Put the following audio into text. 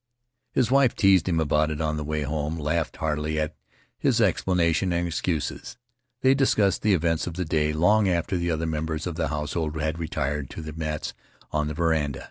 His wife teased him about it on the way home, laughed heartily at his explanations and excuses. They discussed the events of the day long after the other members of the household had retired to their mats on the veranda.